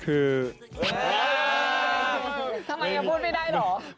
ปื่อก็ได้หรอ